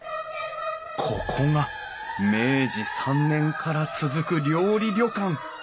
ここが明治３年から続く料理旅館。